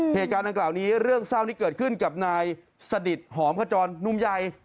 เหตุการณ์ดังกล่าวนี้เรื่องเศร้าที่เกิดขึ้นกับนายสนิทหอมขจรหนุ่มใหญ่